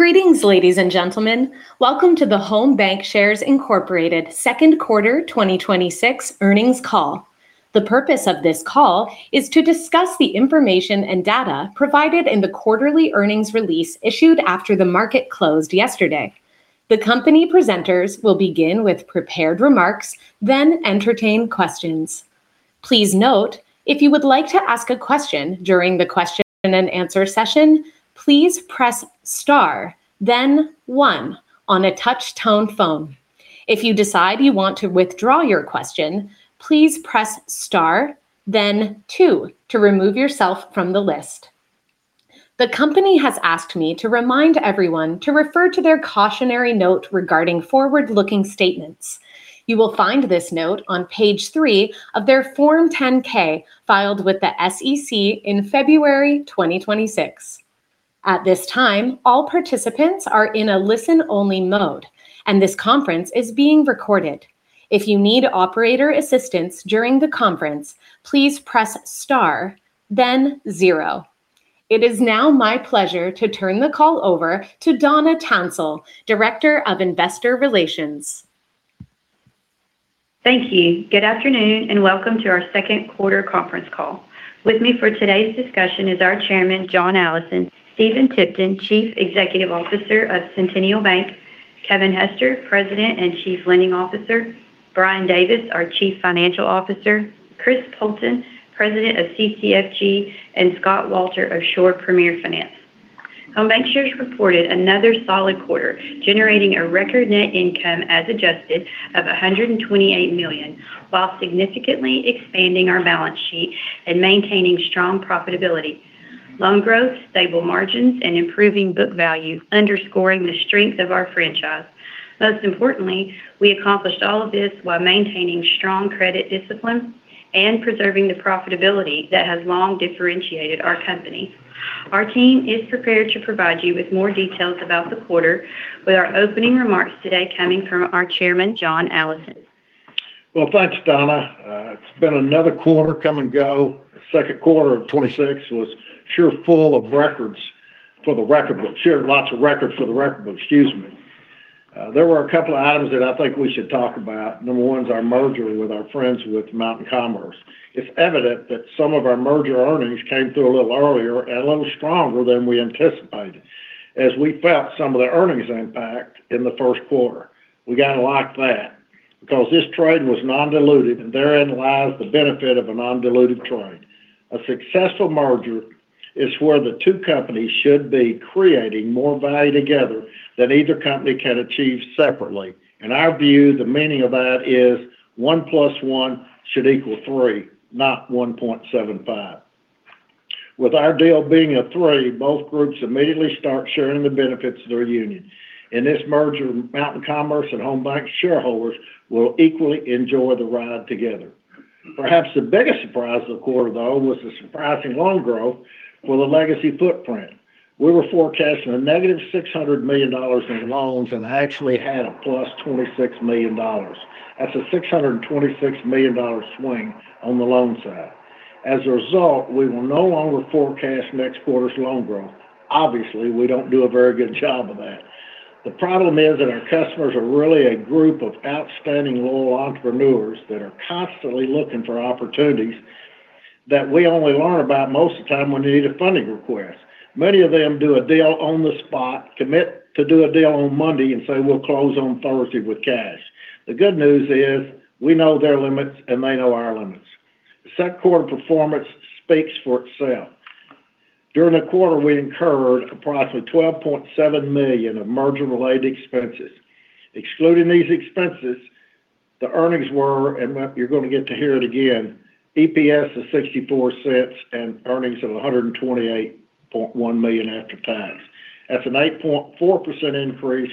Greetings, ladies and gentlemen. Welcome to the Home BancShares, Inc. Q2 2026 Earnings Call. The purpose of this call is to discuss the information and data provided in the quarterly earnings release issued after the market closed yesterday. The company presenters will begin with prepared remarks, then entertain questions. Please note, if you would like to ask a question during the question-and-answer session, please press *1 on a touch tone phone. If you decide you want to withdraw your question, please press *2 to remove yourself from the list. The company has asked me to remind everyone to refer to their cautionary note regarding forward-looking statements. You will find this note on page 3 of their Form 10-K filed with the SEC in February 2026. At this time, all participants are in a listen-only mode, and this conference is being recorded. If you need operator assistance during the conference, please press *0. It is now my pleasure to turn the call over to Donna Townsell, Director of Investor Relations. Thank you. Good afternoon, and welcome to our Q2 conference call. With me for today's discussion is our Chairman, John Allison; Stephen Tipton, Chief Executive Officer of Centennial Bank; Kevin Hester, President and Chief Lending Officer; Brian Davis, our Chief Financial Officer; Chris Poulton, President of CCFG; and Scott Walter of Shore Premier Finance. Home BancShares reported another solid quarter, generating a record net income as adjusted of $128 million while significantly expanding our balance sheet and maintaining strong profitability, loan growth, stable margins, and improving book value underscoring the strength of our franchise. Most importantly, we accomplished all of this while maintaining strong credit discipline and preserving the profitability that has long differentiated our company. Our team is prepared to provide you with more details about the quarter with our opening remarks today coming from our Chairman, John Allison. Well, thanks, Donna. It's been another quarter come and go. The Q2 of 2026 was sure full of records for the record book. Shared lots of records for the record book, excuse me. There were a couple of items that I think we should talk about. Number 1 is our merger with our friends with Mountain Commerce. It's evident that some of our merger earnings came through a little earlier and a little stronger than we anticipated, as we felt some of the earnings impact in the Q1. We got to like that because this trade was non-dilutive, and therein lies the benefit of a non-dilutive trade. A successful merger is where the two companies should be creating more value together than either company can achieve separately. In our view, the meaning of that is one plus one should equal three, not 1.75. With our deal being a three, both groups immediately start sharing the benefits of their union. In this merger, Mountain Commerce and Home BancShares shareholders will equally enjoy the ride together. Perhaps the biggest surprise of the quarter, though, was the surprising loan growth for the legacy footprint. We were forecasting a negative $600 million in loans and actually had a plus $26 million. That's a $626 million swing on the loan side. As a result, we will no longer forecast next quarter's loan growth. We don't do a very good job of that. The problem is that our customers are really a group of outstanding little entrepreneurs that are constantly looking for opportunities that we only learn about most of the time when they need a funding request. Many of them do a deal on the spot, commit to do a deal on Monday and say, "We'll close on Thursday with cash." The good news is, we know their limits, and they know our limits. The Q2 performance speaks for itself. During the quarter, we incurred approximately $12.7 million of merger-related expenses. Excluding these expenses, the earnings were, and you're going to get to hear it again, EPS of $0.64 and earnings of $128.1 million after tax. That's an 8.4% increase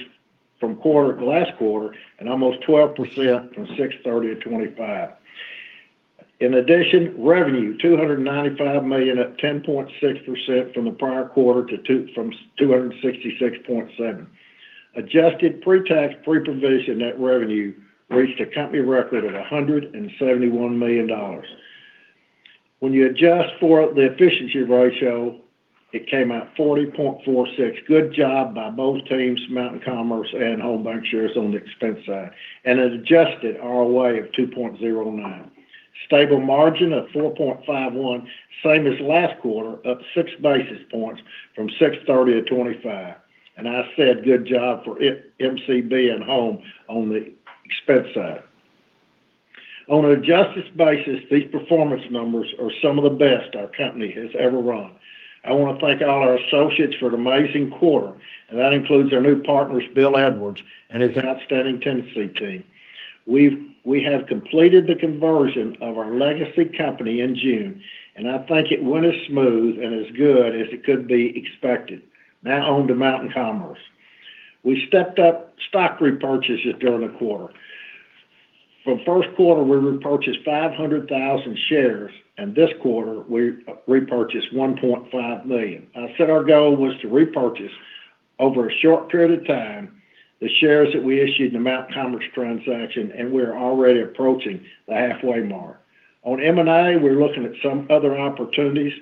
from last quarter and almost 12% from 6/30 of 2025. Revenue $295 million at 10.6% from the prior quarter from $266.7 milion. Adjusted pre-tax, pre-provision net revenue reached a company record at $171 million. When you adjust for the efficiency ratio, it came out 40.46. Good job by both teams, Mountain Commerce and Home BancShares on the expense side. An adjusted ROA of 2.09. Stable margin of 4.51, same as last quarter, up six basis points from 6/30 of 2025. I said good job for MCB and Home on the expense side. On an adjusted basis, these performance numbers are some of the best our company has ever run. I want to thank all our associates for an amazing quarter, and that includes our new partners, Bill Edwards and his outstanding Tennessee team. We have completed the conversion of our legacy company in June, and I think it went as smooth and as good as it could be expected. On to Mountain Commerce. We stepped up stock repurchases during the quarter. From Q1, we repurchased 500,000 shares, and this quarter, we repurchased 1.5 million. I said our goal was to repurchase over a short period of time the shares that we issued in the Mountain Commerce transaction, and we are already approaching the halfway mark M&A, we're looking at some other opportunities.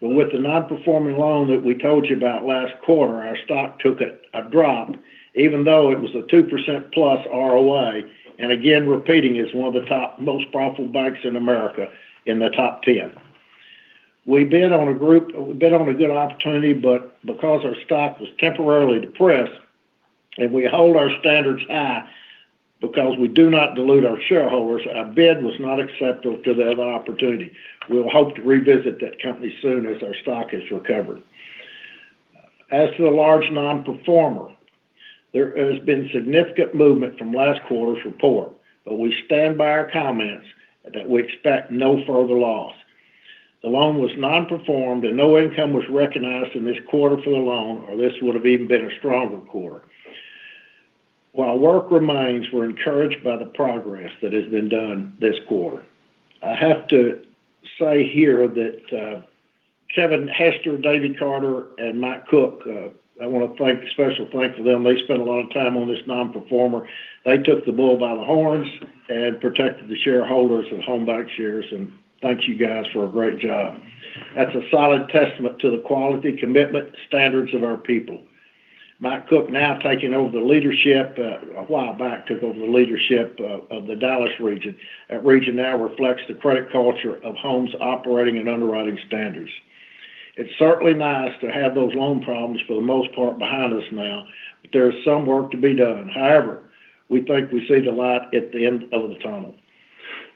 With the non-performing loan that we told you about last quarter, our stock took a drop even though it was a 2%+ ROA. Again, repeating, it's one of the most profitable banks in America, in the top 10. We bid on a good opportunity, because our stock was temporarily depressed, and we hold our standards high because we do not dilute our shareholders, our bid was not acceptable to the other opportunity. We'll hope to revisit that company soon as our stock has recovered. As to the large non-performer, there has been significant movement from last quarter's report. We stand by our comments that we expect no further loss. The loan was non-performed, no income was recognized in this quarter for the loan, or this would have even been a stronger quarter. While work remains, we're encouraged by the progress that has been done this quarter. I have to say here that Kevin Hester, Davy Carter, and Mike Cook, I want to thank, a special thanks to them. They spent a lot of time on this non-performer. They took the bull by the horns and protected the shareholders of Home BancShares. Thank you, guys, for a great job. That's a solid testament to the quality commitment standards of our people. Mike Cook now taking over the leadership, a while back, took over the leadership of the Dallas region. That region now reflects the credit culture of Home's operating and underwriting standards. It's certainly nice to have those loan problems for the most part behind us now. There is some work to be done. We think we see the light at the end of the tunnel.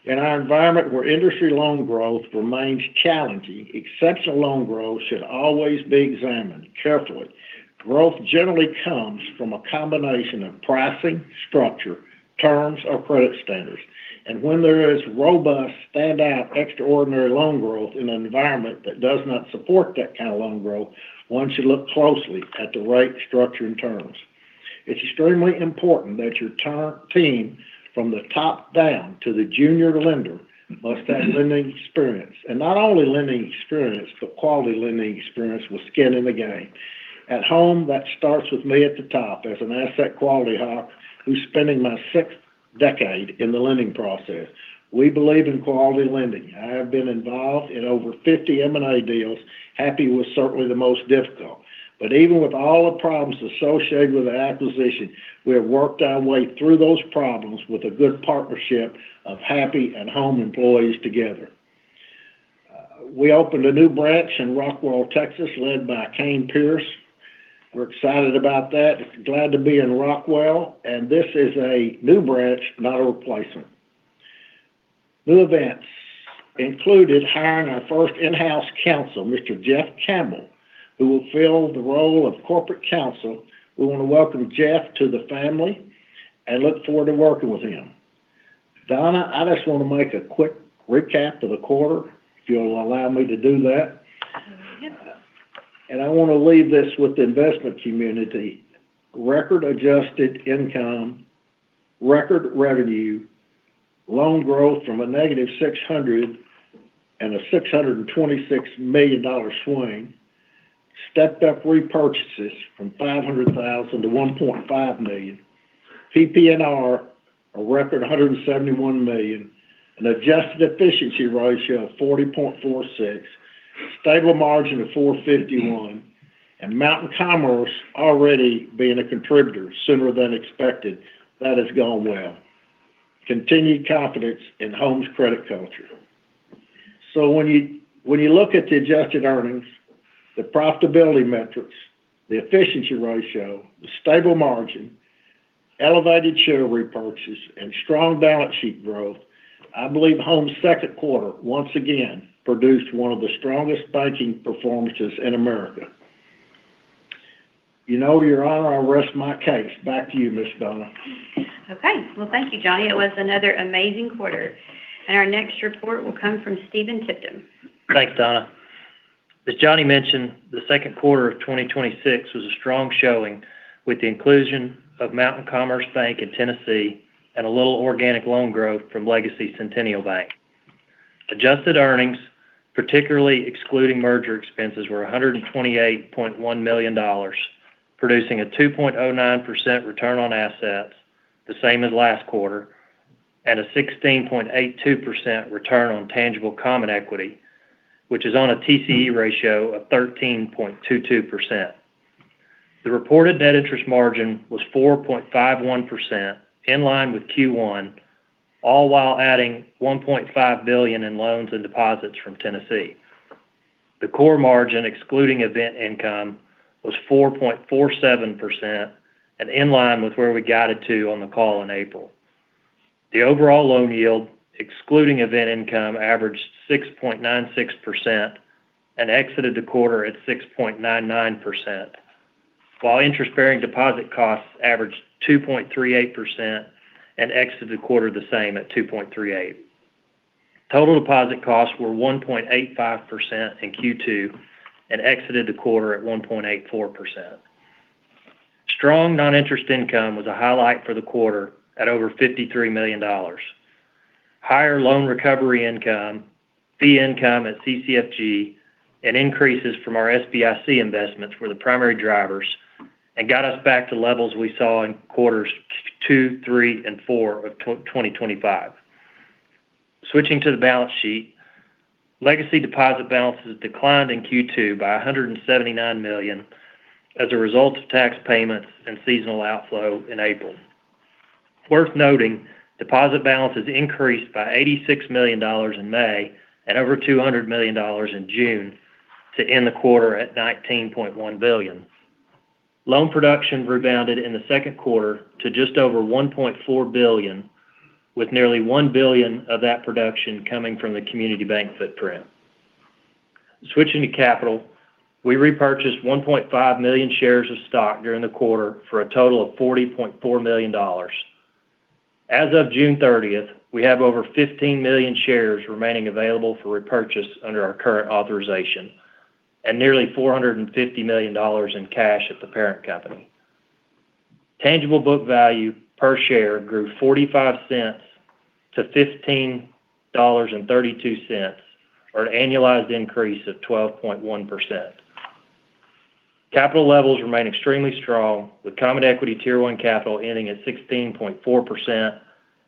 In our environment where industry loan growth remains challenging, exceptional loan growth should always be examined carefully. Growth generally comes from a combination of pricing, structure, terms, or credit standards. When there is robust, stand-out, extraordinary loan growth in an environment that does not support that kind of loan growth, one should look closely at the right structure and terms. It's extremely important that your entire team, from the top down to the junior lender, must have lending experience. Not only lending experience, but quality lending experience with skin in the game. At Home, that starts with me at the top as an asset quality hawk who's spending my sixth decade in the lending process. We believe in quality lending. I have been involved in over 50 M&A deals. Happy was certainly the most difficult. Even with all the problems associated with the acquisition, we have worked our way through those problems with a good partnership of Happy and Home employees together. We opened a new branch in Rockwall, Texas, led by Kane Pierce. We're excited about that, glad to be in Rockwall, and this is a new branch, not a replacement. New events included hiring our first in-house counsel, Mr. Jeff Campbell, who will fill the role of corporate counsel. We want to welcome Jeff to the family and look forward to working with him. Donna, I just want to make a quick recap of the quarter, if you'll allow me to do that. Go ahead. I want to leave this with the investment community. Record adjusted income, record revenue, loan growth from a -$600 million and a $626 million swing, stepped up repurchases from $500,000 to $1.5 million, PPNR, a record $171 million, an adjusted efficiency ratio of 40.46%, stable margin of 4.51%, and Mountain Commerce already being a contributor sooner than expected. That has gone well. Continued confidence in Home's credit culture. When you look at the adjusted earnings, the profitability metrics, the efficiency ratio, the stable margin, elevated share repurchases, and strong balance sheet growth, I believe Home's Q2 once again produced one of the strongest banking performances in America. You know, Your Honor, I rest my case. Back to you, Ms. Donna. Thank you, John. It was another amazing quarter. Our next report will come from Stephen Tipton. Thanks, Donna. As Johnny mentioned, the Q2 of 2026 was a strong showing with the inclusion of Mountain Commerce Bank in Tennessee and a little organic loan growth from Legacy Centennial Bank. Adjusted earnings, particularly excluding merger expenses, were $128.1 million, producing a 2.09% return on assets, the same as last quarter, and a 16.82% return on tangible common equity, which is on a TCE ratio of 13.22%. The reported net interest margin was 4.51%, in line with Q1, all while adding $1.5 billion in loans and deposits from Tennessee. The core margin, excluding event income, was 4.47% and in line with where we guided to on the call in April. The overall loan yield, excluding event income, averaged 6.96% and exited the quarter at 6.99%, while interest-bearing deposit costs averaged 2.38% and exited the quarter the same at 2.38%. Total deposit costs were 1.85% in Q2 and exited the quarter at 1.84%. Strong non-interest income was a highlight for the quarter at over $53 million. Higher loan recovery income, fee income at CCFG, and increases from our SBIC investments were the primary drivers and got us back to levels we saw in Q2, Q3, and Q4 of 2025. Switching to the balance sheet, legacy deposit balances declined in Q2 by $179 million as a result of tax payments and seasonal outflow in April. It's worth noting deposit balances increased by $86 million in May and over $200 million in June to end the quarter at $19.1 billion. Loan production rebounded in the Q2 to just over $1.4 billion, with nearly $1 billion of that production coming from the community bank footprint. Switching to capital, we repurchased 1.5 million shares of stock during the quarter for a total of $40.4 million. As of June 30th, we have over 15 million shares remaining available for repurchase under our current authorization and nearly $450 million in cash at the parent company. Tangible book value per share grew $0.45 to $15.32, or an annualized increase of 12.1%. Capital levels remain extremely strong, with common equity tier 1 capital ending at 16.4%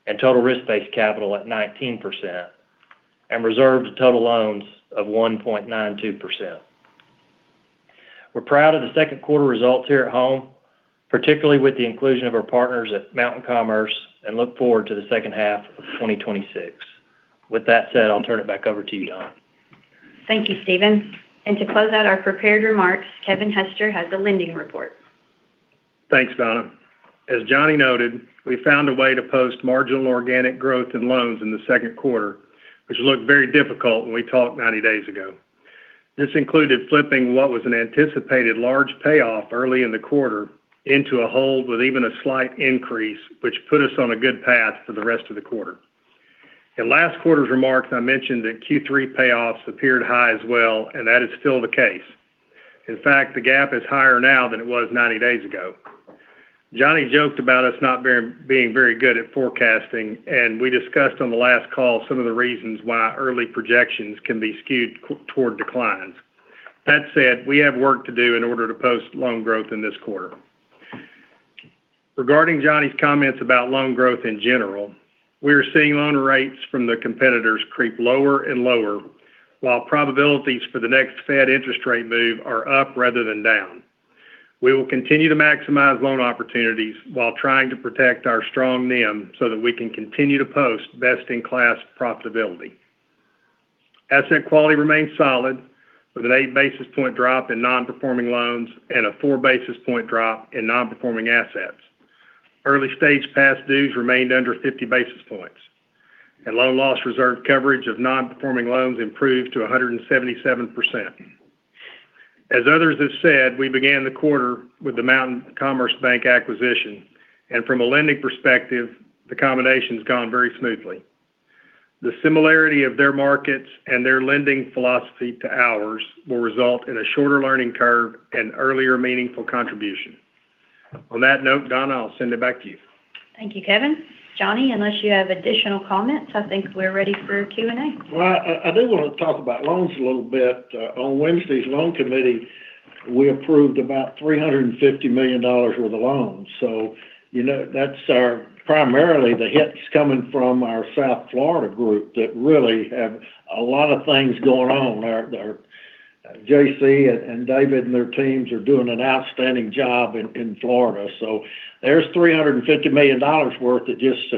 and total risk-based capital at 19%, and reserves to total loans of 1.92%. We're proud of the Q2 results here at Home, particularly with the inclusion of our partners at Mountain Commerce, and look forward to the second half of 2026. With that said, I'll turn it back over to you, Donna. Thank you, Stephen. To close out our prepared remarks, Kevin Hester has the lending report. Thanks, Donna. As Johnny noted, we found a way to post marginal organic growth in loans in the Q2, which looked very difficult when we talked 90 days ago. This included flipping what was an anticipated large payoff early in the quarter into a hold with even a slight increase, which put us on a good path for the rest of the quarter. In last quarter's remarks, I mentioned that Q3 payoffs appeared high as well, and that is still the case. In fact, the gap is higher now than it was 90 days ago. John joked about us not being very good at forecasting, and we discussed on the last call some of the reasons why early projections can be skewed toward declines. That said, we have work to do in order to post loan growth in this quarter. Regarding John's comments about loan growth in general, we are seeing loan rates from the competitors creep lower and lower, while probabilities for the next Fed interest rate move are up rather than down. We will continue to maximize loan opportunities while trying to protect our strong NIM so that we can continue to post best-in-class profitability. Asset quality remains solid with an 8 basis point drop in non-performing loans and a 4 basis point drop in non-performing assets. Early stage past dues remained under 50 basis points, and loan loss reserved coverage of non-performing loans improved to 177%. As others have said, we began the quarter with the Mountain Commerce Bank acquisition, and from a lending perspective, the combination's gone very smoothly. The similarity of their markets and their lending philosophy to ours will result in a shorter learning curve and earlier meaningful contribution. On that note, Donna, I'll send it back to you. Thank you, Kevin. John, unless you have additional comments, I think we're ready for Q&A. I do want to talk about loans a little bit. On Wednesday's loan committee, we approved about $350 million worth of loans. That's primarily the hits coming from our South Florida group that really have a lot of things going on. J.C. and David and their teams are doing an outstanding job in Florida. There's $350 million worth that just,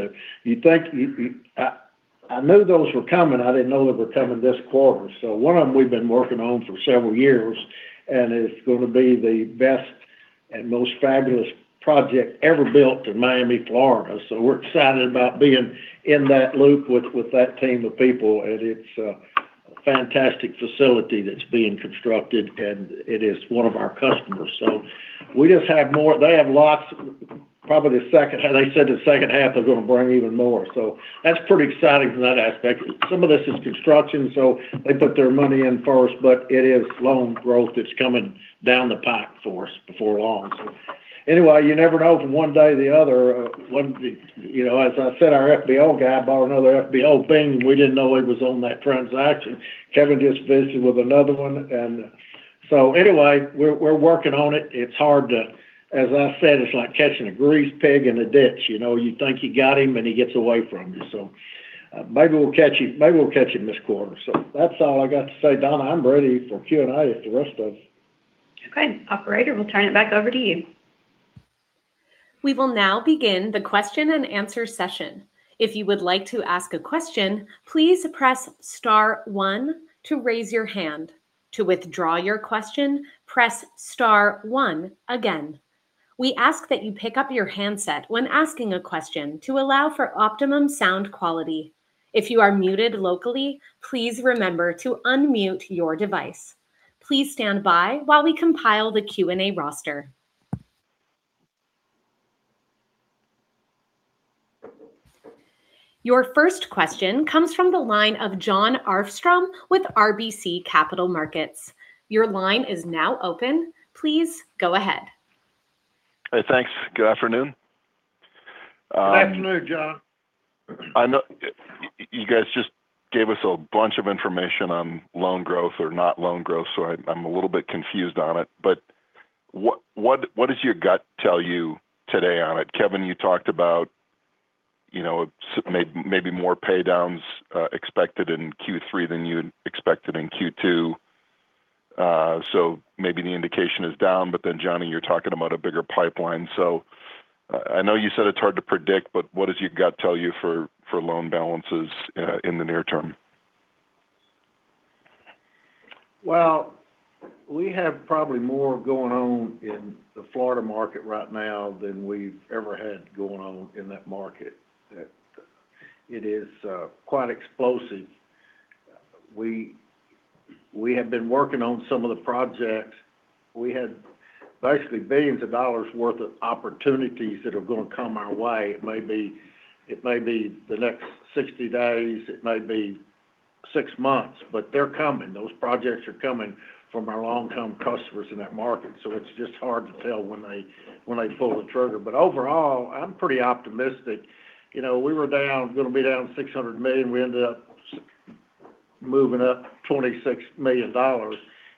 I knew those were coming, I didn't know they were coming this quarter. One of them we've been working on for several years, and it's going to be the best and most fabulous project ever built in Miami, Florida. We're excited about being in that loop with that team of people, and it's a fantastic facility that's being constructed, and it is one of our customers. They have lots, they said the second half they're going to bring even more, that's pretty exciting from that aspect. Some of this is construction, they put their money in first, but it is loan growth that's coming down the pipe for us before long. You never know from one day to the other. As I said, our FBL guy bought another FBL thing, and we didn't know he was on that transaction. Kevin just visited with another one. We're working on it. It's hard to, as I said, it's like catching a grease pig in a ditch. You think you got him, and he gets away from you. Maybe we'll catch him this quarter. That's all I got to say, Donna. I'm ready for Q&A if the rest of you are. Okay. Operator, we'll turn it back over to you. We will now begin the question-and-answer session. If you would like to ask a question, please press *1 to raise your hand. To withdraw your question, press *1 again. We ask that you pick up your handset when asking a question to allow for optimum sound quality. If you are muted locally, please remember to unmute your device. Please stand by while we compile the Q&A roster. Your first question comes from the line of Jon Arfstrom with RBC Capital Markets. Your line is now open. Please go ahead. Hey, thanks. Good afternoon. Good afternoon, Jon. I know you guys just gave us a bunch of information on loan growth or not loan growth, I'm a little bit confused on it. What does your gut tell you today on it? Kevin, you talked about maybe more pay-downs expected in Q3 than you had expected in Q2. Maybe the indication is down, John, you're talking about a bigger pipeline. I know you said it's hard to predict, but what does your gut tell you for loan balances in the near term? We have probably more going on in the Florida market right now than we've ever had going on in that market. It is quite explosive. We have been working on some of the projects. We had basically billions of dollars worth of opportunities that are going to come our way. It may be the next 60 days, it may be six months, they're coming. Those projects are coming from our long-term customers in that market, it's just hard to tell when they pull the trigger. Overall, I'm pretty optimistic. We were going to be down $600 million. We ended up moving up $26 million,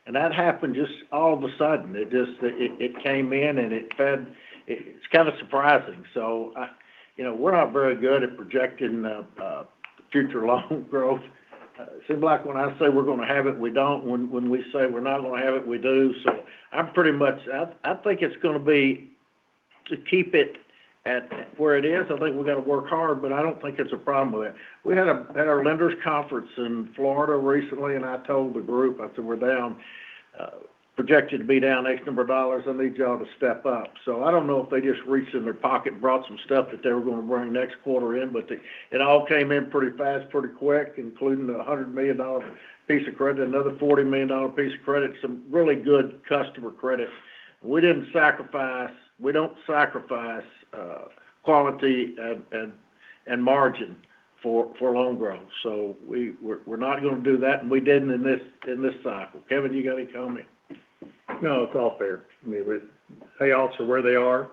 and that happened just all of a sudden. It came in, and it's kind of surprising. We're not very good at projecting future loan growth. Seems like when I say we're going to have it, we don't. When we say we're not going to have it, we do. I think it's going to be, to keep it at where it is, I think we've got to work hard, I don't think it's a problem with that. We had our lenders conference in Florida recently, I told the group, I said, "We're projected to be down X number of dollars. I need you all to step up." I don't know if they just reached in their pocket and brought some stuff that they were going to bring next quarter in, it all came in pretty fast, pretty quick, including the $100 million piece of credit, another $40 million piece of credit, some really good customer credit. We don't sacrifice quality and margin for loan growth. We're not going to do that, and we didn't in this cycle. Kevin, you got any comment? No, it is all fair. I mean, payoffs are where they are.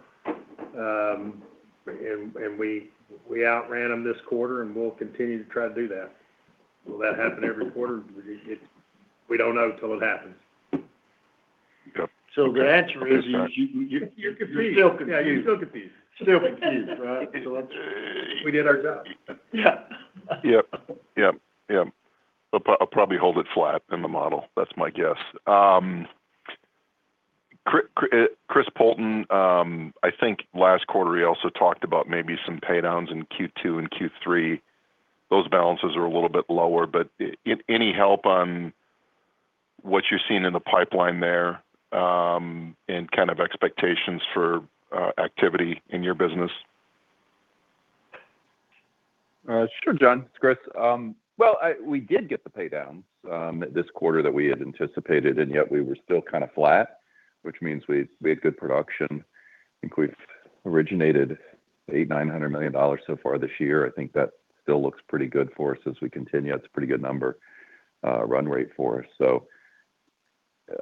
We outran them this quarter, and we will continue to try to do that. Will that happen every quarter? We do not know till it happens. The answer is you're still confused. We did our job. Yep. I'll probably hold it flat in the model. That's my guess. Chris Poulton, I think last quarter he also talked about maybe some pay-downs in Q2 and Q3. Those balances are a little bit lower, any help on what you're seeing in the pipeline there, and kind of expectations for activity in your business? Sure, Jon. It's Chris. Well, we did get the pay-downs this quarter that we had anticipated, yet we were still kind of flat, which means we had good production. I think we've originated $800 million-$900 million so far this year. I think that still looks pretty good for us as we continue. That's a pretty good number run rate for us.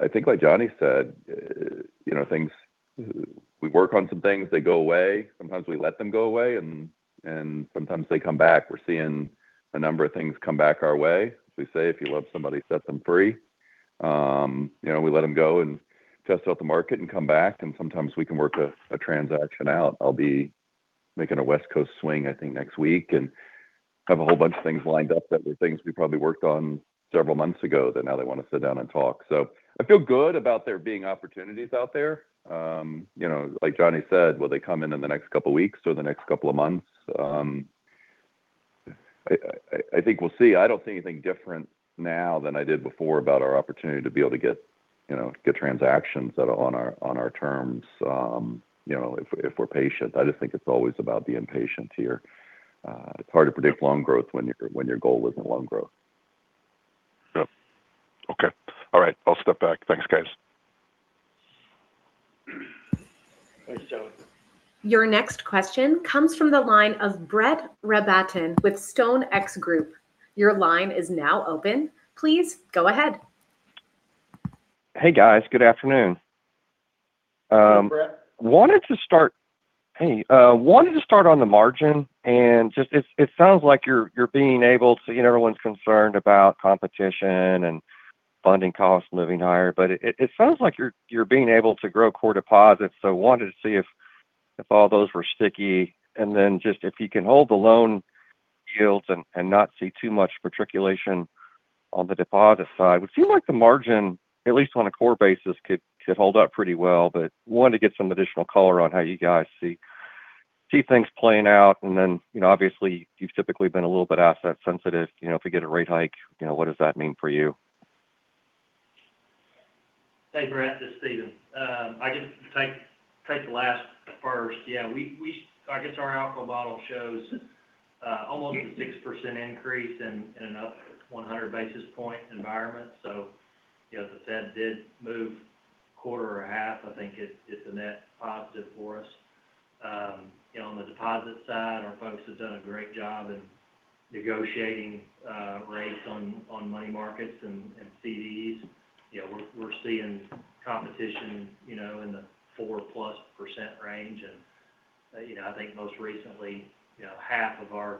I think like John said, we work on some things, they go away. Sometimes we let them go away, sometimes they come back. We're seeing a number of things come back our way. As we say, if you love somebody, set them free. We let them go and test out the market and come back, sometimes we can work a transaction out. I'll be making a West Coast swing, I think, next week, and have a whole bunch of things lined up that were things we probably worked on several months ago that now they want to sit down and talk. I feel good about there being opportunities out there. Like John said, will they come in in the next couple of weeks or the next couple of months? I think we'll see. I don't see anything different now than I did before about our opportunity to be able to get transactions on our terms if we're patient. I just think it's always about being patient here. It's hard to predict loan growth when your goal isn't loan growth. Yep. Okay. All right. I'll step back. Thanks, guys. Thanks, Jon. Your next question comes from the line of Brett Rabatin with StoneX Group. Your line is now open. Please go ahead. Hey, guys. Good afternoon. Hey, Brett. Hey. Wanted to start on the margin. It sounds like you're being able to grow core deposits. Everyone's concerned about competition and funding costs moving higher. Wanted to see if all those were sticky, and then just if you can hold the loan yields and not see too much matriculation on the deposit side. It seems like the margin, at least on a core basis, could hold up pretty well. Wanted to get some additional color on how you guys see things playing out. Obviously, you've typically been a little bit asset sensitive. If we get a rate hike, what does that mean for you? Hey, Brett, this is Stephen. I can take the last part first. Yeah, I guess our ALCO model shows almost a 6% increase in an up 100 basis point environment. If the Fed did move a quarter or a half, I think it's a net positive for us. On the deposit side, our folks have done a great job in negotiating rates on money markets and CDs. We're seeing competition in the four plus percent range. I think most recently, half of our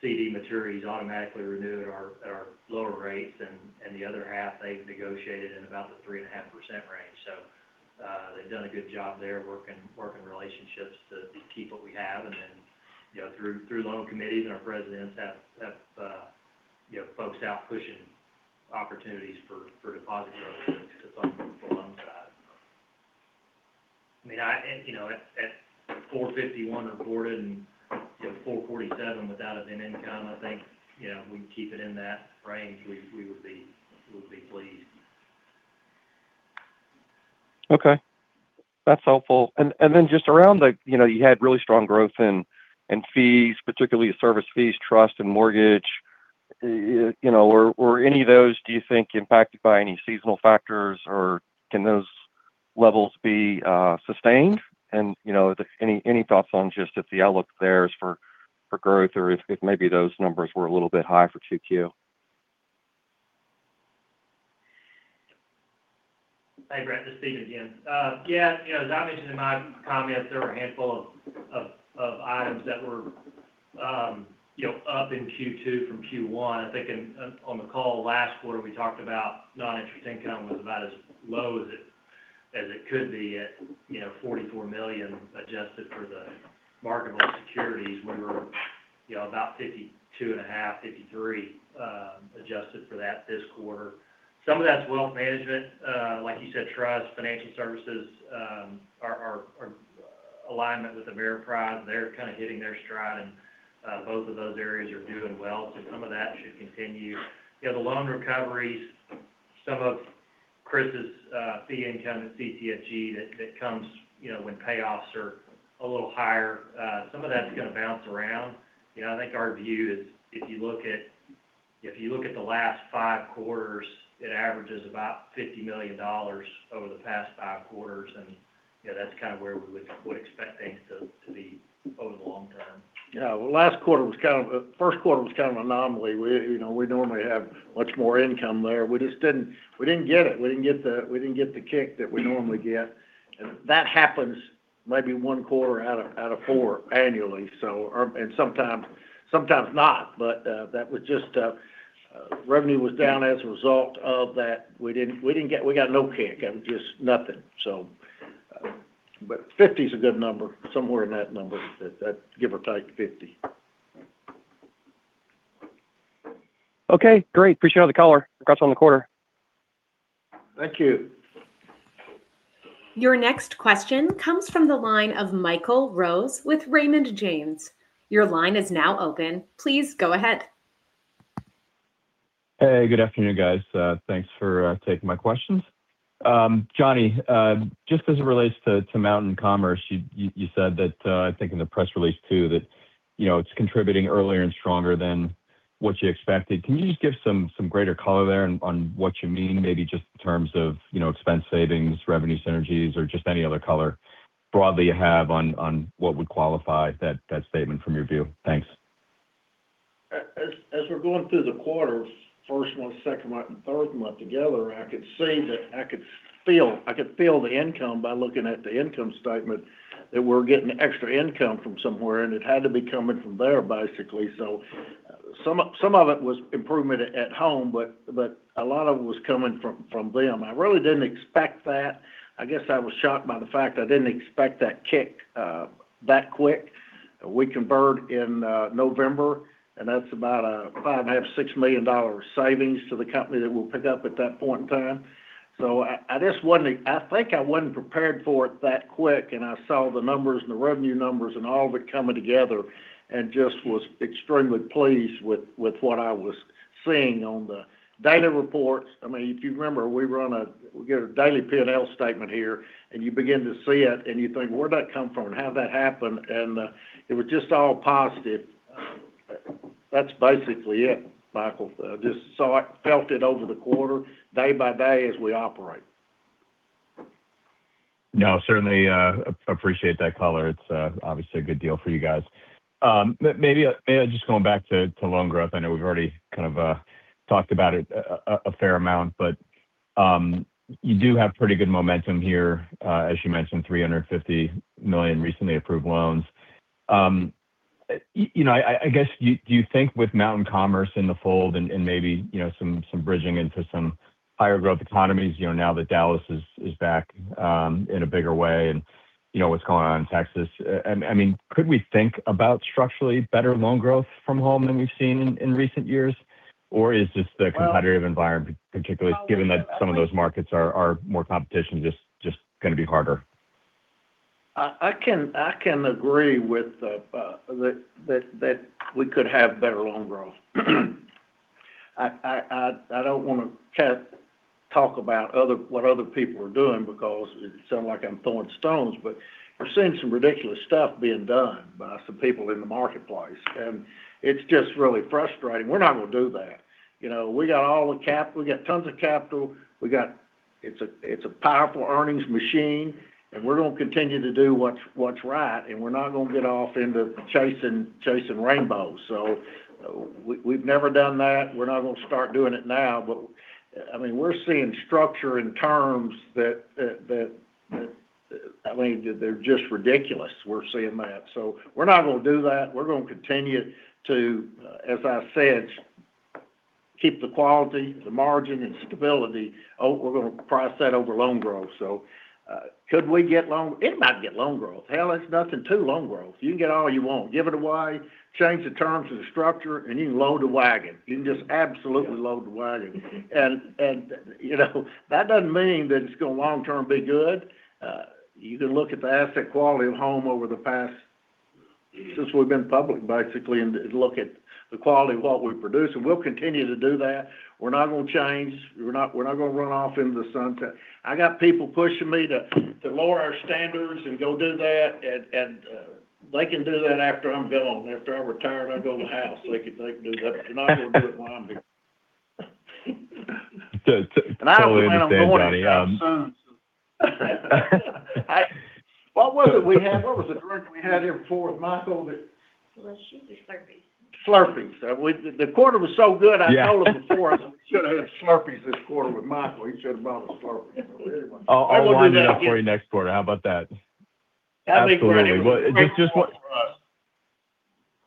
CD maturities automatically renew at our lower rates. The other half, they've negotiated in about the 3.5% range. They've done a good job there working relationships to keep what we have. Through loan committees and our presidents have folks out pushing opportunities for deposit growth to supplement the loan side. At $451 reported and $447 without it in income, I think if we can keep it in that range, we would be pleased. Okay. That's helpful. Just around the, you had really strong growth in fees, particularly service fees, trust, and mortgage. Were any of those, do you think, impacted by any seasonal factors, or can those levels be sustained? Any thoughts on just the outlook there for growth or if maybe those numbers were a little bit high for Q2? Hey, Brett, this is Stephen again. As I mentioned in my comments, there were a handful of items that were up in Q2 from Q1. I think on the call last quarter, we talked about non-interest income was about as low as it could be at $44 million, adjusted for the marketable securities. We were about $52.5 million, $53 million, adjusted for that this quarter. Some of that's wealth management. Like you said, trust, financial services, our alignment with Ameriprise, they're kind of hitting their stride, and both of those areas are doing well. Some of that should continue. The loan recoveries, some of Chris's fee income in CCFG that comes when payoffs are a little higher, some of that's gonna bounce around. I think our view is if you look at the last five quarters, it averages about $50 million over the past five quarters. That's kind of where we would expect things to be over the long term. Well, Q1 was kind of an anomaly. We normally have much more income there. We didn't get it. We didn't get the kick that we normally get, and that happens maybe one quarter out of four annually. Sometimes not, but revenue was down as a result of that. We got no kick, just nothing. $50 million is a good number, somewhere in that number, give or take $50 million. Okay, great. Appreciate all the color. Congrats on the quarter. Thank you. Your next question comes from the line of Michael Rose with Raymond James. Your line is now open. Please go ahead. Hey, good afternoon, guys. Thanks for taking my questions. John, just as it relates to Mountain Commerce, you said that, I think in the press release too, that it's contributing earlier and stronger than what you expected. Can you just give some greater color there on what you mean, maybe just in terms of expense savings, revenue synergies, or just any other color broadly you have on what would qualify that statement from your view? Thanks. As we're going through the quarters, first month, second month, and third month together, I could see that, I could feel the income by looking at the income statement that we're getting extra income from somewhere, and it had to be coming from there, basically. Some of it was improvement at home, but a lot of it was coming from them. I really didn't expect that. I guess I was shocked by the fact I didn't expect that kick that quick. We converted in November, and that's about a $5.5 million, $6 million savings to the company that we'll pick up at that point in time. I think I wasn't prepared for it that quick, and I saw the numbers and the revenue numbers and all of it coming together and just was extremely pleased with what I was seeing on the data reports. If you remember, we get a daily P&L statement here, and you begin to see it, and you think, "Where'd that come from, and how'd that happen?" It was just all positive. That's basically it, Michael. I felt it over the quarter, day by day as we operate. Certainly appreciate that color. It's obviously a good deal for you guys. Maybe just going back to loan growth. I know we've already kind of talked about it a fair amount, but you do have pretty good momentum here, as you mentioned, $350 million recently approved loans. I guess, do you think with Mountain Commerce in the fold and maybe some bridging into some higher growth economies now that Dallas is back in a bigger way and what's going on in Texas, could we think about structurally better loan growth from Home than we've seen in recent years? Or is this the competitive environment, particularly given that some of those markets are more competition, just going to be harder? I can agree with that we could have better loan growth. I don't want to talk about what other people are doing because it sound like I'm throwing stones, but we're seeing some ridiculous stuff being done by some people in the marketplace, and it's just really frustrating. We're not going to do that. We got all the capital. We got tons of capital. It's a powerful earnings machine, and we're going to continue to do what's right, and we're not going to get off into chasing rainbows. We've never done that. We're not going to start doing it now. We're seeing structure and terms that, I mean, they're just ridiculous. We're seeing that. We're not going to do that. We're going to continue to, as I said, keep the quality, the margin and stability. We're going to price that over loan growth. Could we get loan growth. Anybody can get loan growth. Hell, it's nothing to loan growth. You can get all you want. Give it away, change the terms of the structure, and you can load the wagon. You can just absolutely load the wagon. That doesn't mean that it's going to long-term be good. You can look at the asset quality of Home over the past, since we've been public, basically, and look at the quality of what we produce. We'll continue to do that. We're not going to change. We're not going to run off into the sunset. I got people pushing me to lower our standards and go do that, and they can do that after I'm gone. After I retired, I go in the house. They can do that. They're not going to do it while I'm here. Totally understand, John. I don't plan on going anytime soon. What was it we had? What was the drink we had here before with Michael? It was Slurpees. Slurpees. The quarter was so good. Yeah I told them before, I said, "We should've had Slurpees this quarter with Michael." He should've bought us Slurpees. Anyway. I'll line it up for you next quarter. How about that? That'd make for a great quarter for us.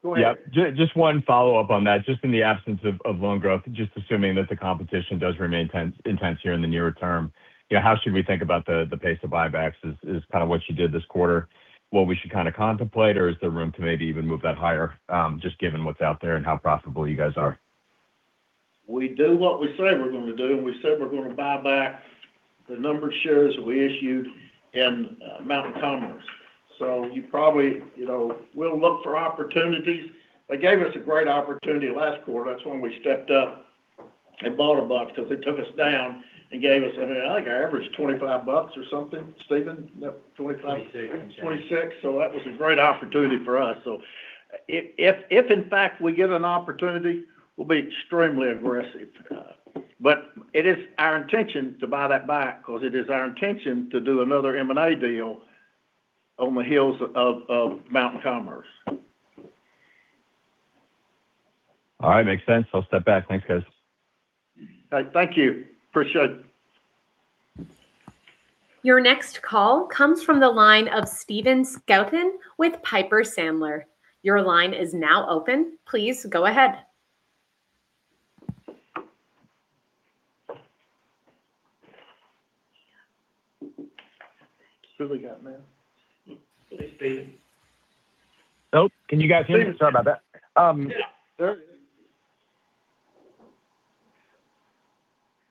Go ahead. Yep. Just one follow-up on that. Just in the absence of loan growth, just assuming that the competition does remain intense here in the nearer term, how should we think about the pace of buybacks? Is kind of what you did this quarter what we should kind of contemplate, or is there room to maybe even move that higher, just given what's out there and how profitable you guys are? We do what we say we're going to do. We said we're going to buy back the number of shares that we issued in Mountain Commerce. We'll look for opportunities. They gave us a great opportunity last quarter. That's when we stepped up and bought $1, because they took us down and gave us, I think our average was $25 or something. Stephen? Yep, $25- $26. That was a great opportunity for us. If, in fact, we get an opportunity, we'll be extremely aggressive. It is our intention to buy that back because it is our intention to do another M&A deal on the heels of Mountain Commerce. All right. Makes sense. I'll step back. Thanks, guys. All right. Thank you. Appreciate it. Your next call comes from the line of Stephen Scouten with Piper Sandler. Your line is now open. Please go ahead. Who we got, man? It's Stephen. Hello, can you guys hear me? Sorry about that. Yes.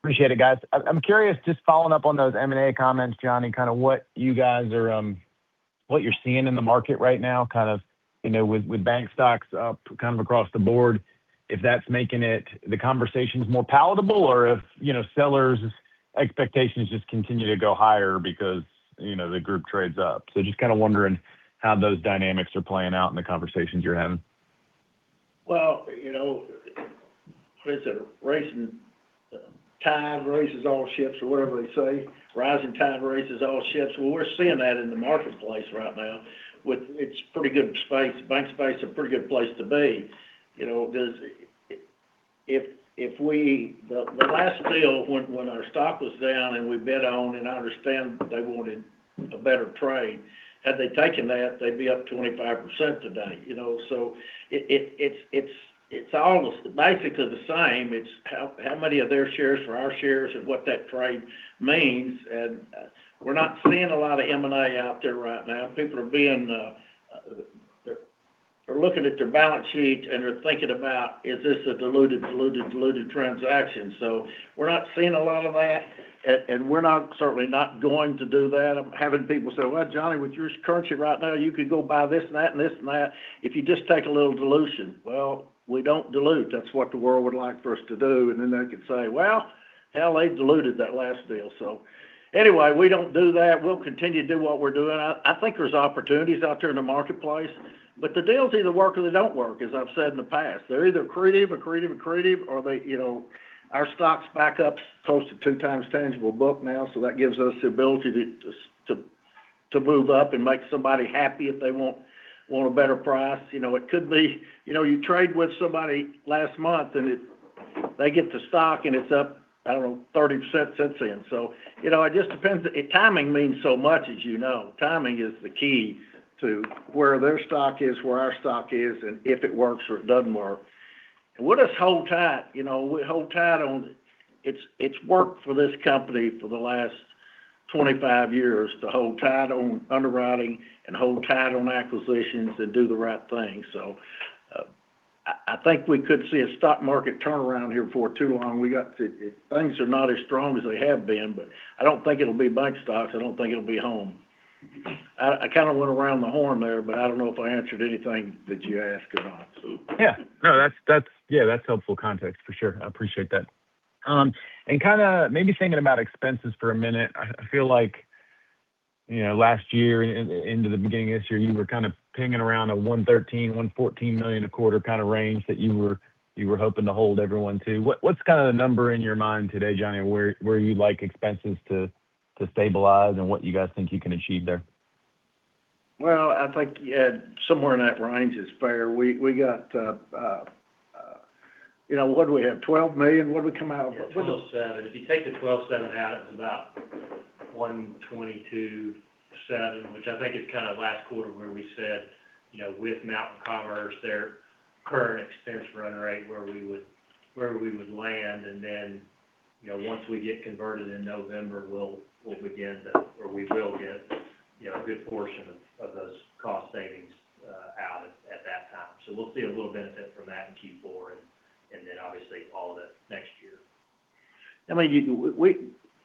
Appreciate it, guys. I'm curious, just following up on those M&A comments, John, kind of what you're seeing in the market right now, with bank stocks up kind of across the board. If that's making the conversations more palatable or if sellers' expectations just continue to go higher because the group trades up. Just kind of wondering how those dynamics are playing out in the conversations you're having. They said a rising tide raises all ships, or whatever they say. Rising tide raises all ships. We're seeing that in the marketplace right now. It's a pretty good space. Bank space is a pretty good place to be. The last deal, when our stock was down, and we bit on, and I understand they wanted a better trade, had they taken that, they'd be up 25% today. It's almost basically the same. It's how many of their shares for our shares and what that trade means. We're not seeing a lot of M&A out there right now. People are looking at their balance sheets, and they're thinking about, "Is this a diluted transaction?" We're not seeing a lot of that, and we're certainly not going to do that. Having people say, "John, with your currency right now, you could go buy this and that, and this and that, if you just take a little dilution." We don't dilute. That's what the world would like for us to do, and then they could say, "Hell, they diluted that last deal." Anyway, we don't do that. We'll continue to do what we're doing. I think there's opportunities out there in the marketplace, the deals either work or they don't work, as I've said in the past. They're either creative, or Our stock's back up close to two times tangible book now, that gives us the ability to move up and make somebody happy if they want a better price. You trade with somebody last month, and they get the stock, and it's up, I don't know, 30% since then. It just depends. Timing means so much, as you know. Timing is the key to where their stock is, where our stock is, and if it works or it doesn't work. We'll just hold tight. We hold tight on it. It's worked for this company for the last 25 years to hold tight on underwriting and hold tight on acquisitions and do the right thing. I think we could see a stock market turnaround here before too long. Things are not as strong as they have been, I don't think it'll be bank stocks. I don't think it'll be Home. I kind of went around the horn there, I don't know if I answered anything that you asked or not. Yeah, that's helpful context, for sure. I appreciate that. Kind of maybe thinking about expenses for a minute. I feel like last year into the beginning of this year, you were kind of pinging around a $113 million, $114 million a quarter kind of range that you were hoping to hold everyone to. What's kind of the number in your mind today, John? Where you'd like expenses to stabilize and what you guys think you can achieve there? Well, I think somewhere in that range is fair. What do we have, $12 million? What did we come out with? Yeah, $12.7 million. If you take the $12.7 million out, it's about $122.7 million, which I think is kind of last quarter where we said, with Mountain Commerce, their current expense run rate, where we would land, and then once we get converted in November, we will get a good portion of those cost savings out at that time. We'll see a little benefit from that in Q4, and then obviously all of it next year.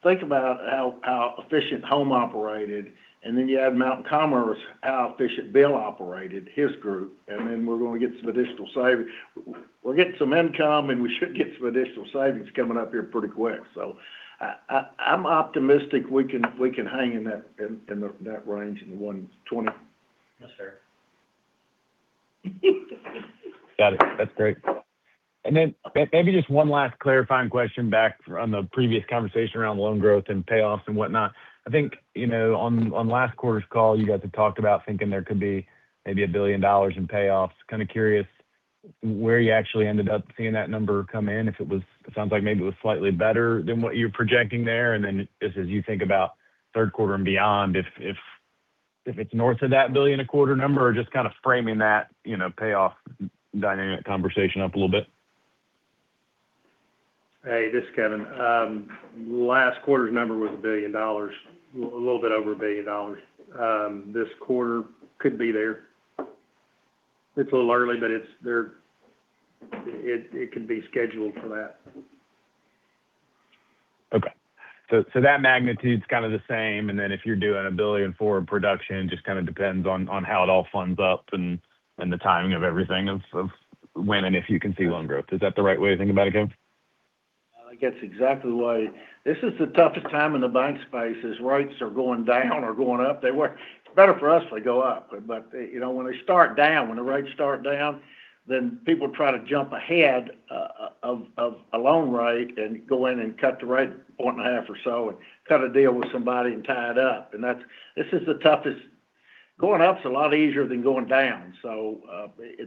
Think about how efficient Home operated, and then you add Mountain Commerce, how efficient Bill operated, his group, and then we're going to get some additional savings. We're getting some income, and we should get some additional savings coming up here pretty quick. I'm optimistic we can hang in that range in the $120 million. Yes, sir. Maybe just one last clarifying question back on the previous conversation around loan growth and payoffs and whatnot. I think on last quarter's call, you guys had talked about thinking there could be maybe $1 billion in payoffs. Kind of curious where you actually ended up seeing that number come in, it sounds like maybe it was slightly better than what you're projecting there. Just as you think about Q3 and beyond, if it's north of that $1 billion a quarter number, or just kind of framing that payoff dynamic conversation up a little bit. Hey, this is Kevin. Last quarter's number was $1 billion, a little bit over $1 billion. This quarter could be there. It's a little early, but it could be scheduled for that. Okay. That magnitude's kind of the same, and then if you're doing $1 billion forward production, just kind of depends on how it all funds up and the timing of everything of when and if you can see loan growth. Is that the right way to think about it? That's exactly the way. This is the toughest time in the bank space is rates are going down or going up. It's better for us they go up. When they start down, when the rates start down, then people try to jump ahead of a loan rate and go in and cut the rate a point and a half or so and cut a deal with somebody and tie it up, and this is the toughest. Going up is a lot easier than going down.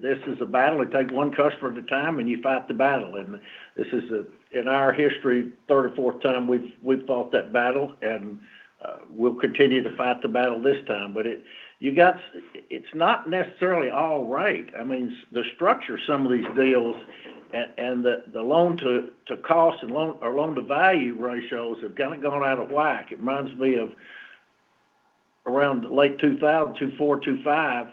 This is a battle. You take one customer at a time, and you fight the battle, and this is, in our history, third or fourth time we've fought that battle, and we'll continue to fight the battle this time. It's not necessarily all rate. The structure of some of these deals and the loan-to-cost or loan-to-value ratios have kind of gone out of whack. It reminds me of around late 2000, 2004, 2005,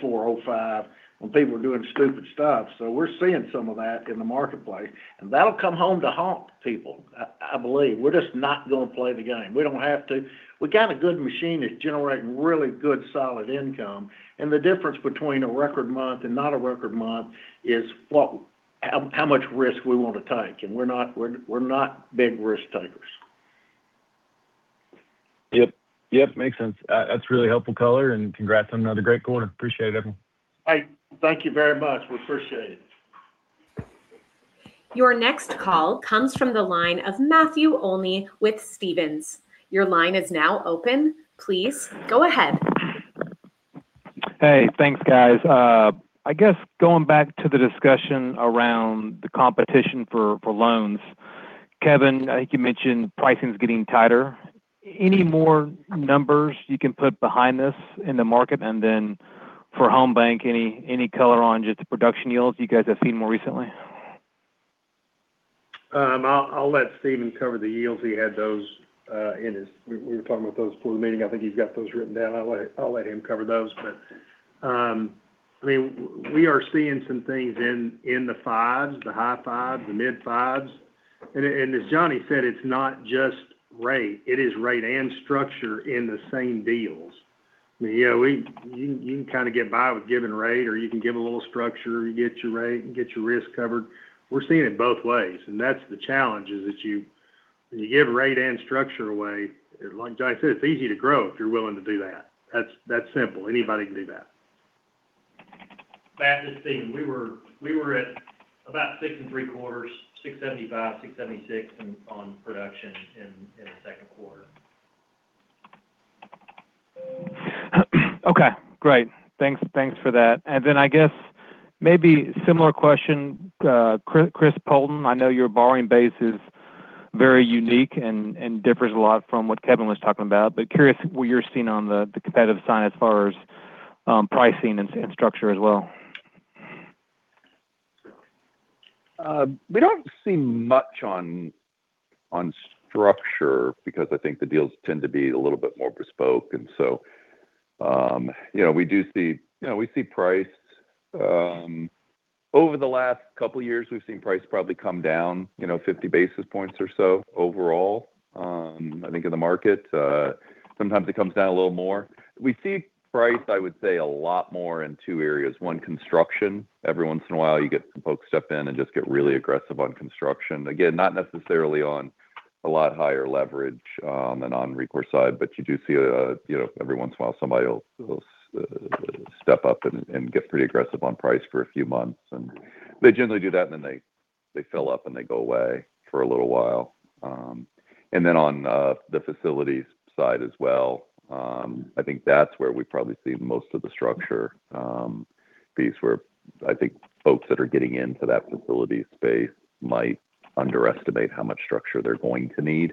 '04, '05, when people were doing stupid stuff. We're seeing some of that in the marketplace, and that'll come home to haunt people, I believe. We're just not going to play the game. We don't have to. We got a good machine that's generating really good, solid income, and the difference between a record month and not a record month is how much risk we want to take, and we're not big risk takers. Yep. Makes sense. That's really helpful color, and congrats on another great quarter. Appreciate it, everyone. All right. Thank you very much. We appreciate it. Your next call comes from the line of Matt Olney with Stephens. Your line is now open. Please go ahead. Hey. Thanks, guys. I guess going back to the discussion around the competition for loans, Kevin, I think you mentioned pricing's getting tighter. Any more numbers you can put behind this in the market? Then for Home BancShares, any color on just the production yields you guys have seen more recently? I'll let Stephen cover the yields. We were talking about those before the meeting. I think he's got those written down. I'll let him cover those. We are seeing some things in the fives, the high fives, the mid fives. As John said, it's not just rate. It is rate and structure in the same deals. You can kind of get by with giving rate, or you can give a little structure. You get your rate and get your risk covered. We're seeing it both ways, that's the challenge is that you give rate and structure away, like John said, it's easy to grow if you're willing to do that. That's simple. Anybody can do that. Matt, it's Stephen. We were at about six and three quarters, 675, 676 on production in the Q2. Okay, great. Thanks for that. I guess maybe similar question, Chris Poulton. I know your borrowing base is very unique and differs a lot from what Kevin was talking about, but curious what you're seeing on the competitive side as far as pricing and structure as well. We don't see much on structure because I think the deals tend to be a little bit more bespoke. So, we see price. Over the last couple of years, we've seen price probably come down 50 basis points or so overall, I think in the market. Sometimes it comes down a little more. We see price, I would say, a lot more in two areas. One, construction. Every once in a while, you get some folks step in and just get really aggressive on construction. Again, not necessarily on a lot higher leverage on the non-recourse side, but you do see every once in a while somebody will step up and get pretty aggressive on price for a few months. They generally do that, and then they fill up, and they go away for a little while. On the facilities side as well, I think that's where we probably see most of the structure piece, where I think folks that are getting into that facilities space might underestimate how much structure they're going to need.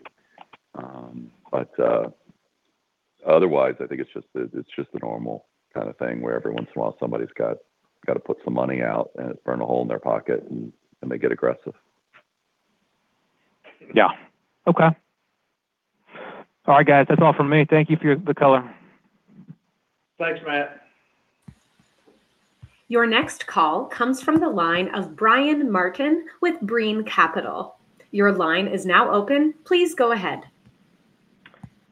Otherwise, I think it's just the normal kind of thing where every once in a while somebody's got to put some money out and burn a hole in their pocket, and they get aggressive. Yeah. Okay. All right, guys. That's all from me. Thank you for the color. Thanks, Matt. Your next call comes from the line of Brian Martin with Brean Capital. Your line is now open. Please go ahead.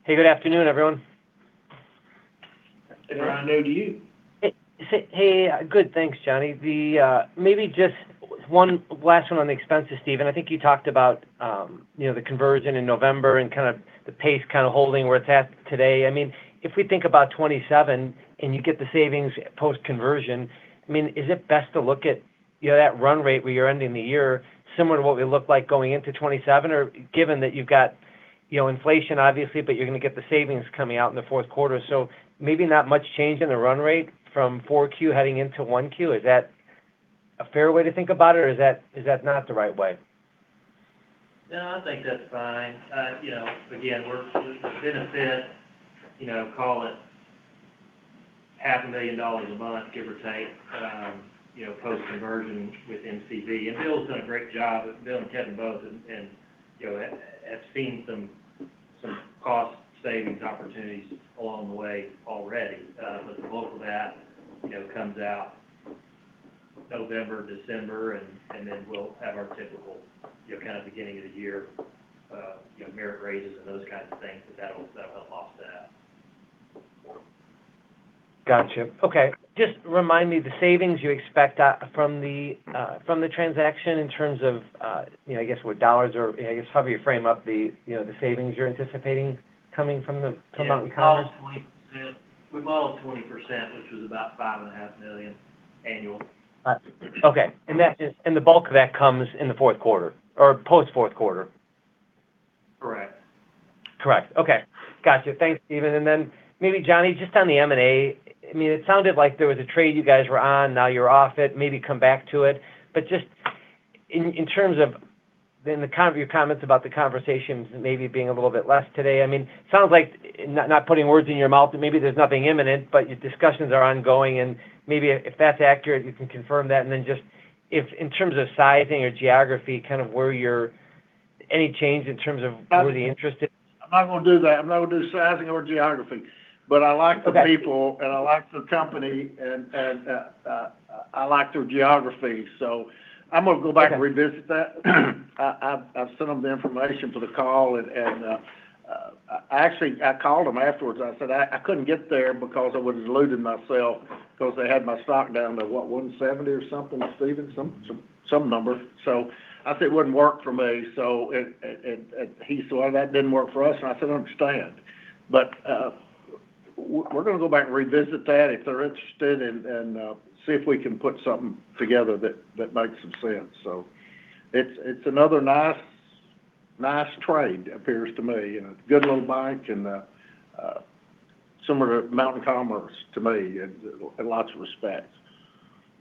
Hey, good afternoon, everyone. Right, new to you. Hey. Good. Thanks, John. Maybe just one last one on the expenses. Stephen, I think you talked about the conversion in November and kind of the pace kind of holding where it's at today. If we think about 2027, and you get the savings post-conversion, is it best to look at that run rate where you're ending the year similar to what we look like going into 2027? Given that you've got inflation obviously, but you're going to get the savings coming out in the Q4, so maybe not much change in the run rate from Q4 heading into Q1. Is that a fair way to think about it, or is that not the right way? No, I think that's fine. Again, we're within a benefit, call it half a million dollars a month, give or take, post-conversion with MCB. Bill's done a great job, Bill and Kevin both, in have seen some cost savings opportunities along the way already. The bulk of that comes out November, December, and then we'll have our typical beginning of the year merit raises and those kinds of things. That'll offset it out. Got you. Okay. Just remind me, the savings you expect from the transaction in terms of, I guess, with dollars or I guess however you frame up the savings you're anticipating coming from the Mountain Commerce. Yeah. We modeled 20%, which was about $5.5 million annual. Okay. The bulk of that comes in the Q4 or post Q4? Correct. Correct. Okay. Got you. Thanks, Stephen. Maybe John, just on the M&A. It sounded like there was a trade you guys were on, now you're off it, maybe come back to it. Just in terms of the kind of your comments about the conversations maybe being a little bit less today. Sounds like, not putting words in your mouth, maybe there's nothing imminent, but your discussions are ongoing, and maybe if that's accurate, you can confirm that. Just if in terms of sizing or geography, kind of where you're any change in terms of where the interest is? I'm not going to do that. I'm not going to do sizing or geography. I like the people, and I like the company, and I like their geography. I'm going to go back and revisit that. I've sent them the information for the call, and I actually called them afterwards. I said, "I couldn't get there because I would've diluted myself because they had my stock down to," what? 170 or something, Stephen? Some number. I said it wouldn't work for me. He said, "Well, that didn't work for us." I said, "I understand." We're going to go back and revisit that if they're interested and see if we can put something together that makes some sense. It's another nice trade, appears to me. A good little bank and similar to Mountain Commerce to me in lots of respects.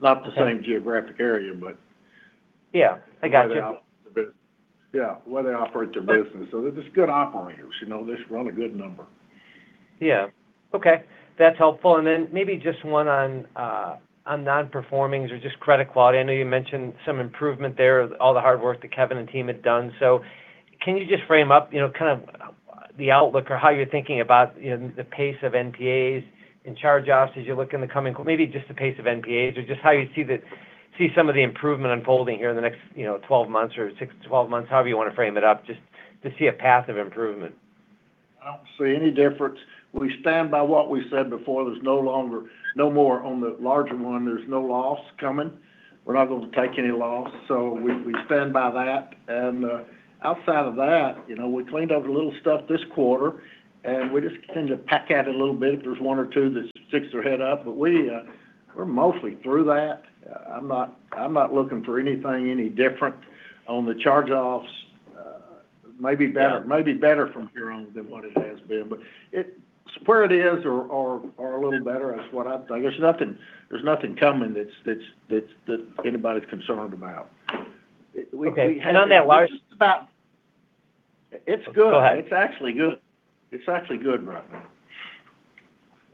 Not the same geographic area, but- I got you. way they operate their business. They're just good operators. They run a good number. That's helpful. Maybe just one on non-performings or just credit quality. I know you mentioned some improvement there, all the hard work that Kevin and team had done. Can you just frame up kind of the outlook or how you're thinking about the pace of NPAs and charge-offs as you look in the coming or maybe just the pace of NPAs, or just how you see some of the improvement unfolding here in the next 12 months or 6-12 months, however you want to frame it up, just to see a path of improvement. I don't see any difference. We stand by what we said before. There's no more on the larger one. There's no loss coming. We're not going to take any loss. We stand by that. Outside of that, we cleaned up a little stuff this quarter, and we just tend to peck at it a little bit if there's one or two that sticks their head up. We're mostly through that. I'm not looking for anything any different on the charge-offs. Maybe better from here on than what it has been. It's where it is or a little better. That's what I think. There's nothing coming that anybody's concerned about. Okay. It's good. Go ahead. It's actually good right now.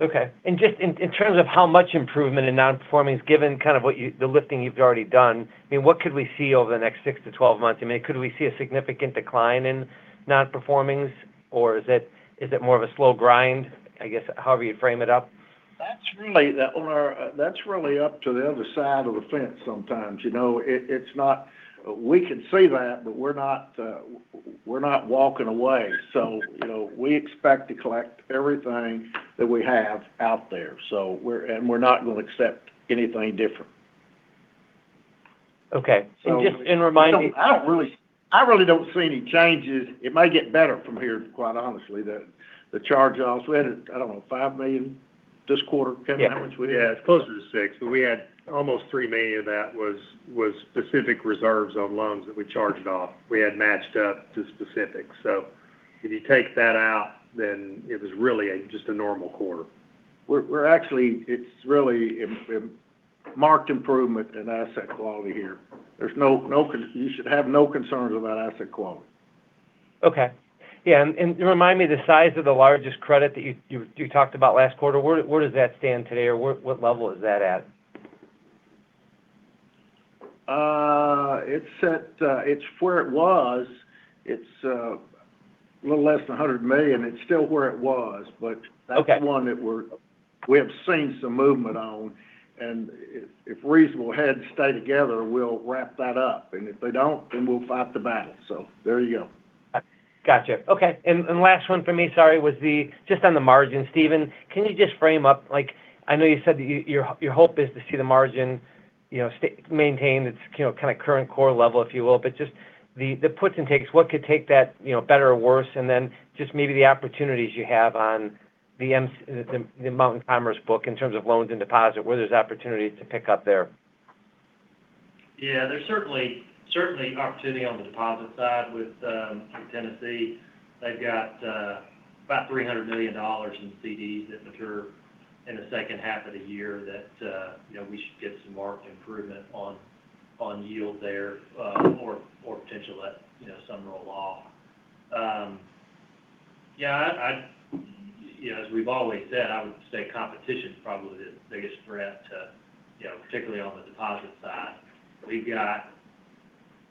Okay. Just in terms of how much improvement in non-performings, given kind of the lifting you've already done, what could we see over the next 6-12 months? Could we see a significant decline in non-performings, or is it more of a slow grind, I guess, however you frame it up? That's really up to the other side of the fence sometimes. We can see that, but we're not walking away. We expect to collect everything that we have out there. We're not going to accept anything different. Okay. Just remind me. I really don't see any changes. It may get better from here, quite honestly. The charge-offs, we had, I don't know, $5 million this quarter come out. Yeah. It's closer to six, we had almost $3 million of that was specific reserves on loans that we charged off. We had matched up to specifics. If you take that out, then it was really just a normal quarter. We're actually, it's really a marked improvement in asset quality here. You should have no concerns about asset quality. Okay. Yeah, remind me the size of the largest credit that you talked about last quarter. Where does that stand today or what level is that at? It's where it was. It's a little less than $100 million. It's still where it was. Okay. That's one that we have seen some movement on, if reasonable heads stay together, we'll wrap that up. If they don't, then we'll fight the battle. There you go. Got you. Okay. Last one from me, sorry, was just on the margin, Stephen. Can you just frame up, I know you said that your hope is to see the margin maintained, its kind of current core level, if you will. Just the puts and takes, what could take that better or worse? Then just maybe the opportunities you have on the Mountain Commerce book in terms of loans and deposit, where there's opportunity to pick up there. There's certainly opportunity on the deposit side with Tennessee. They've got about $300 million in CDs that mature in the second half of the year that we should get some marked improvement on yield there, or potentially let some roll off. As we've always said, I would say competition is probably the biggest threat, particularly on the deposit side. We've got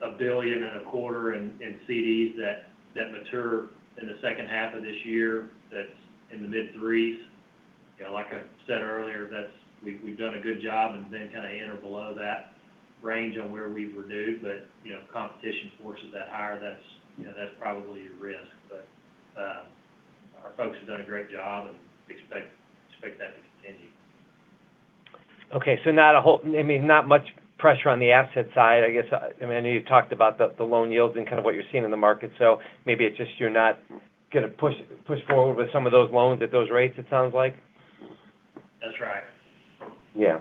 a billion and a quarter in CDs that mature in the second half of this year, that's in the mid threes. Like I said earlier, we've done a good job and then kind of in or below that range on where we renew, if competition forces that higher, that's probably a risk. Our folks have done a great job, and expect that to continue. Okay, not much pressure on the asset side, I guess. I know you've talked about the loan yields and kind of what you're seeing in the market. Maybe it's just you're not going to push forward with some of those loans at those rates, it sounds like? That's right. Yeah.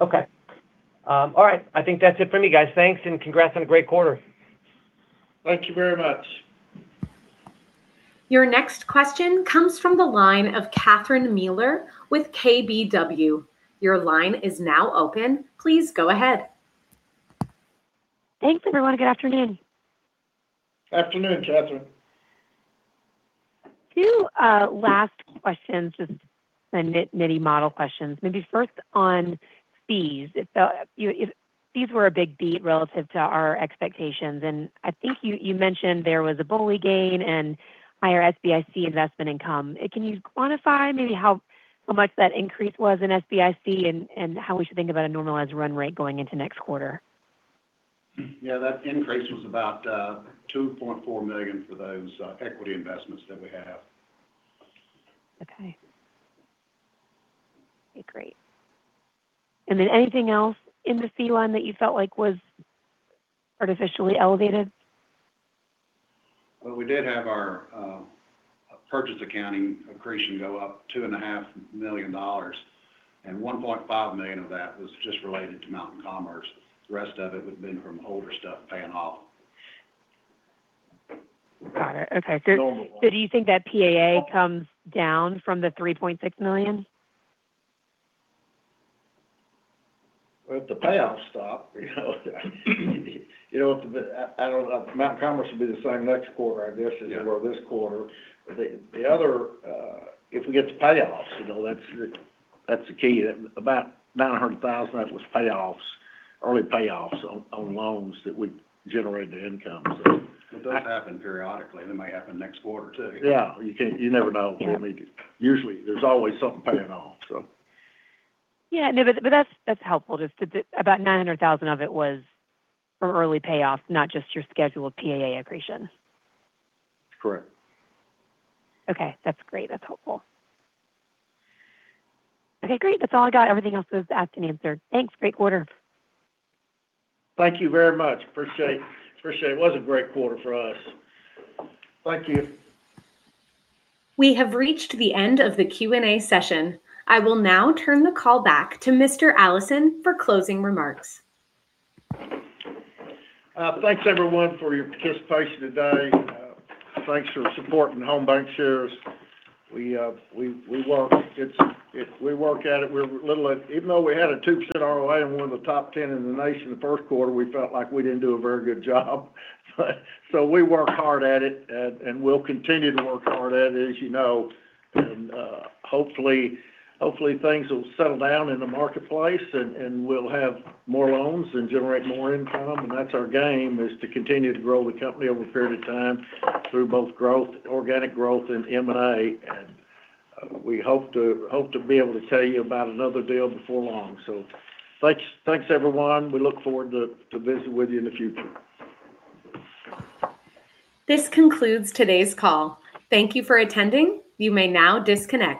Okay. All right. I think that's it for me, guys. Thanks, and congrats on a great quarter. Thank you very much. Your next question comes from the line of Catherine Mealor with KBW. Your line is now open. Please go ahead. Thanks, everyone. Good afternoon. Afternoon, Catherine. Two last questions, just some nitty-model questions. Maybe first on fees. Fees were a big beat relative to our expectations, I think you mentioned there was a BOLI gain and higher SBIC investment income. Can you quantify maybe how much that increase was in SBIC and how we should think about a normalized run rate going into next quarter? Yeah, that increase was about $2.4 million for those equity investments that we have. Okay. Great. Then anything else in the fee line that you felt like was artificially elevated? Well, we did have our purchase accounting accretion go up $2.5 million, and $1.5 million of that was just related to Mountain Commerce. The rest of it has been from older stuff paying off. Got it. Okay. Normal ones. Do you think that PAA comes down from the $3.6 million? If the payoffs stop. Mountain Commerce will be the same next quarter, I guess, as it were this quarter. The other, if we get the payoffs, that's the key. About $900,000 of it was payoffs, early payoffs on loans that we generated the income. It does happen periodically, and it may happen next quarter too. Yeah, you never know. Usually there's always something paying off. Yeah, no, that's helpful. Just about $900,000 of it was from early payoffs, not just your scheduled PAA accretion. Correct. Okay. That's great. That's helpful. Okay, great. That's all I got. Everything else was asked and answered. Thanks. Great quarter. Thank you very much. Appreciate it. It was a great quarter for us. Thank you. We have reached the end of the Q&A session. I will now turn the call back to Mr. Allison for closing remarks. Thanks, everyone, for your participation today. Thanks for supporting Home BancShares. We work at it. Even though we had a 2% ROA and we're in the top 10 in the nation the Q1, we felt like we didn't do a very good job. We work hard at it, and we'll continue to work hard at it, as you know. Hopefully things will settle down in the marketplace, and we'll have more loans and generate more income. That's our game, is to continue to grow the company over a period of time through both organic growth and M&A. We hope to be able to tell you about another deal before long. Thanks, everyone. We look forward to visiting with you in the future. This concludes today's call. Thank you for attending. You may now disconnect.